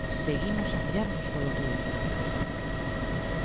Seguimos a mollarnos polo río!